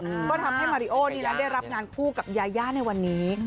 ก็ทำให้มาริโอนี่นะได้รับงานคู่กับยายาในวันนี้